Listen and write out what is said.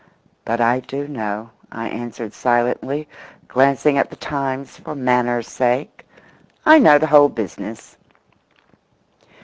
"But I do know," I answered silently, glancing at the Times for manners' sake. "I know the whole business.